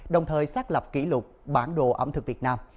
đồng thời xác lập kỷ lục bản đồ ẩm thực việt nam